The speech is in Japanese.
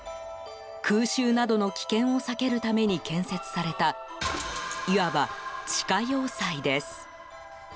空襲などの危険を避けるために建設されたいわば、地下要塞です。